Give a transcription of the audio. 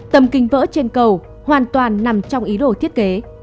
tầm kinh vỡ trên cầu hoàn toàn nằm trong ý đồ thiết kế